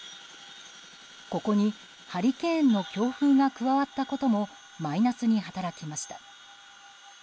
ここにハリケーンの強風が加わったこともマイナスに働きました。